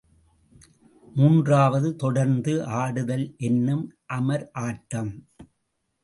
மூன்றாவது தொடர்ந்து ஆடுதல் என்னும் அமர் ஆட்டம்.